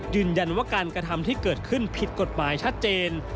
ยืนยันว่าการกระทำที่เกิดขึ้นผิดกฎหมายชัดเจน